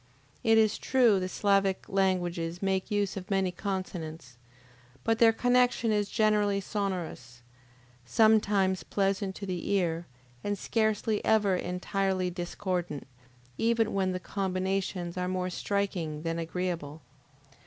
It is true the Sclavic languages make use of many consonants, but their connection is generally sonorous, sometimes pleasant to the ear, and scarcely ever entirely discordant, even when the combinations are more striking than agreeable.